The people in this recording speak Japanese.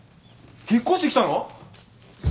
引っ越してきたの？